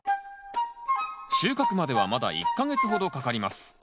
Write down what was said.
収穫まではまだ１か月ほどかかります。